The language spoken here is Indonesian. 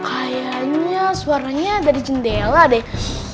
kayaknya suaranya dari jendela deh